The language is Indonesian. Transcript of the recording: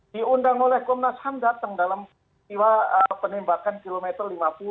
diundang oleh komnas ham datang dalam siwa penembakan kilometer lima puluh